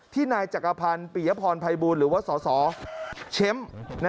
ที่นายจักรภัณฑ์ปิยพรภัยบูรณ์หรือว่าศแชมป์